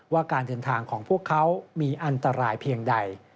ว่าการเดินทางของพวกเขามีอันตรายเพียงใด